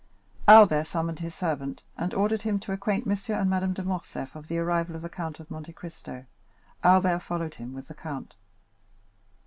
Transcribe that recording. Albert summoned his servant, and ordered him to acquaint M. and Madame de Morcerf of the arrival of the Count of Monte Cristo. Albert followed him with the count.